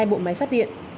hai bộ máy phát điện